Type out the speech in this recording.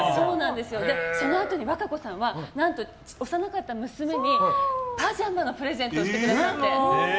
そのあとに和歌子さんは何と幼かった娘にパジャマのプレゼントをしてくださって。